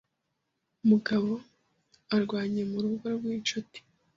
Mugabo aryamye mu rugo rw'inshuti.